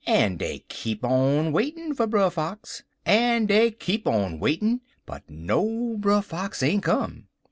En dey keep on waitin' for Brer Fox. En dey keep on waitin', but no Brer Fox ain't come.